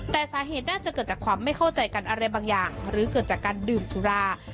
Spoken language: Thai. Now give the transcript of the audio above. แต่สาเหตุน่าจะเกิดจากความไม่เข้าใจกันอะไรบางอย่างหรือเกิดจากการดื่มสุรา